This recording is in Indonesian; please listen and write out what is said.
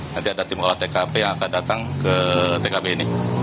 nanti ada tim olah tkp yang akan datang ke tkp ini